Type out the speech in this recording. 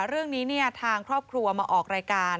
เรื่องนี้ทางครอบครัวมาออกรายการ